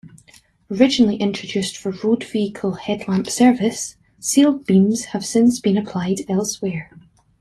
Originally introduced for road vehicle headlamp service, sealed beams have since been applied elsewhere.